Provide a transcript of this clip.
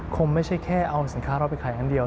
คงไม่ใช่แค่เอาสินค้าเราไปขาย